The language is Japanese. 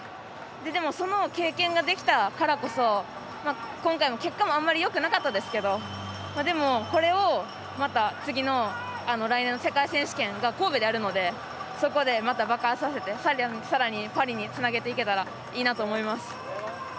でも、その経験ができたからこそ今回も結果、あまりよくなかったですけどでも、これをまた次の来年の世界選手権が神戸であるのでそこでまた爆発させてさらにパリにつなげていけたらいいなと思います。